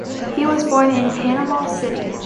He was born in Panama City.